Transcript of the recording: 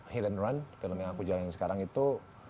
hil and run film yang aku jalanin sekarang itu